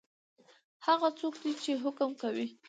هغه څوک دی چی حکم کوي؟